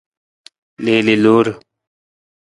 Liili loor.